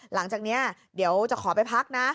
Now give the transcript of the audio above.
หลังจากนี้เดี๋ยวจะขอไปพักนะ